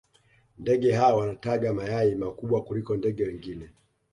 ndege hao wanataga mayai makubwa kuliko ndege wengine